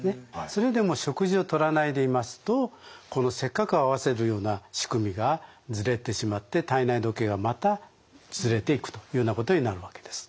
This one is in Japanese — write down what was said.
それでも食事をとらないでいますとこのせっかく合わせるような仕組みがズレてしまって体内時計がまたズレていくというなことになるわけです。